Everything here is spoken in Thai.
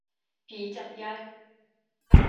ผีจับยัด